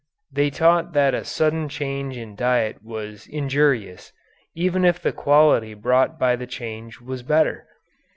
They taught that a sudden change in diet was injurious, even if the quality brought by the change was better.